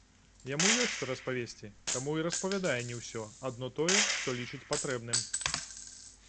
Яму ёсць, што распавесці, таму і распавядае не ўсё, адно тое, што лічыць патрэбным.